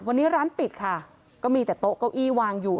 วันนี้ร้านปิดค่ะก็มีแต่โต๊ะเก้าอี้วางอยู่